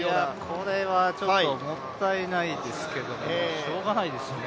これはちょっともったいないですけど、しようがないですね。